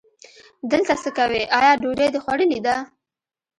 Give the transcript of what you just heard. دلته څه کوې، آیا ډوډۍ دې خوړلې ده؟